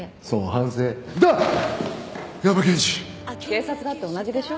警察だって同じでしょ。